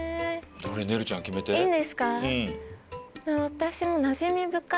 私もなじみ深い。